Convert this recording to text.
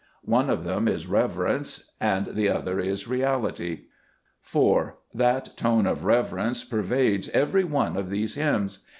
One of them is reverence, and the other is reality. 4. That tone of reverence pervades every one of these hymns.